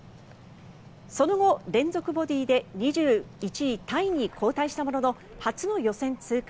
その後、連続ボギーで２１位タイに後退したものの初の予選通過。